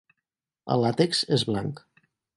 El làtex és blanc.